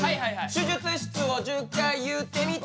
手術室を１０回言ってみて。